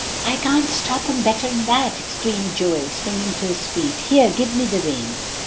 "I can stop 'em better'n that," screamed Joel, springing to his feet. "Here, give me the reins."